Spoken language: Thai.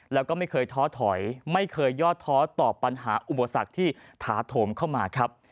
แล้วก็ไม่เคยท้อถอยไม่เคยยอดท้อต่อปัญหาอุปสรรคที่ถาโถมเข้ามาครับ